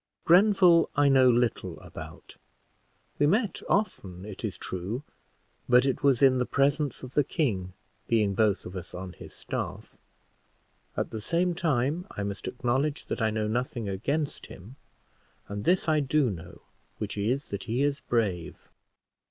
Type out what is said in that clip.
Grenville, I know little about; we met often, it is true, but it was in the presence of the king, being both of us on his staff; at the same time, I must acknowledge that I know nothing against him; and this I do know, which is, that he is brave."